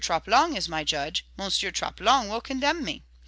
Troplong is my judge, M. Troplong will condemn me!